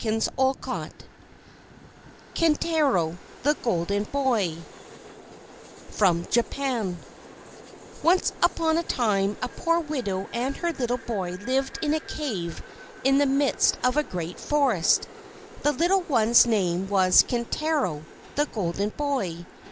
_ SHAKESPEARE KINTARO THE GOLDEN BOY From Japan Once upon a time a poor widow and her little boy lived in a cave in the midst of a great forest. The little one's name was Kintaro the Golden Boy.